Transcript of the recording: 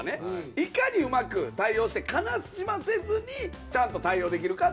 いかにうまく対応して悲しませずにちゃんと対応できるかっていうのが。